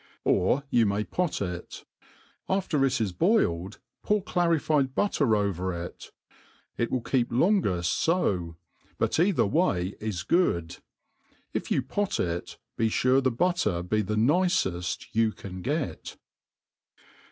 Or you may pot it; after it is boiled, pour clarified butter over it. It will keep longeft fo,; but either way is good.^ If you pot it, be furc the butter be the niccft you can, get.